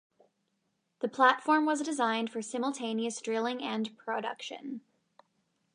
The platform was designed for simultaneous drilling and production.